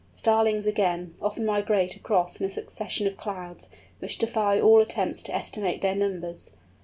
Starlings, again, often migrate across in a succession of clouds, which defy all attempts to estimate their numbers.